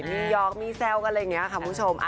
มียอร์กมีเเซลค์กันอะไรแบบนี้นะคะค่ะคุณผู้ชม